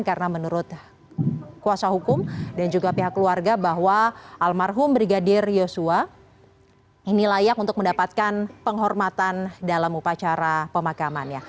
karena menurut kuasa hukum dan juga pihak keluarga bahwa almarhum brigadir yosua ini layak untuk mendapatkan penghormatan dalam upacara pemakaman